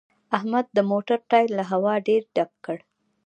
احمد د موټر ټایر له هوا ډېر ډک کړ